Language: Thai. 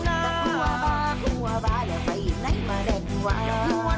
แต่หัวบาหัวบาเผ่ยในมาแดดหวา